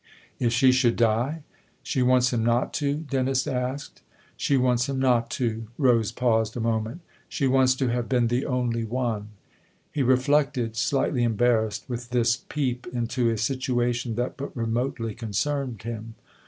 " If she should die ? She wants him not to ?" Dennis asked. " She wants him not to." Rose paused a moment. " She wants to have been the only one." He reflected, slightly embarrassed with this peep into a situation that but remotely concerned him.